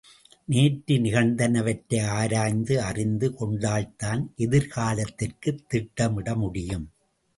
நேற்று நிகழ்ந்தனவற்றை ஆராய்ந்து அறிந்து கொண்டால்தான் எதிர்காலத்திற்குத் திட்டமிட முடியும்.